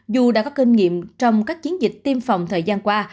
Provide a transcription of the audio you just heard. dù đã có kinh nghiệm trong các chiến dịch tiêm phòng thời gian qua